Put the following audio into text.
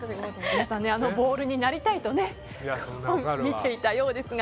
皆さん、あのボールになりたいと思って見ていたようですが。